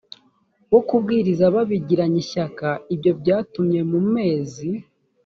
wo kubwiriza babigiranye ishyaka ibyo byatumye mu mezi